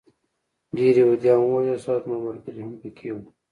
ډېر یهودان ووژل شول او زما ملګري هم پکې وو